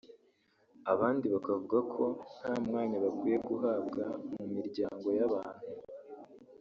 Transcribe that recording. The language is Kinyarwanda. abandi bakavuga ko nta mwanya bakwiye guhabwa mu miryango y’abantu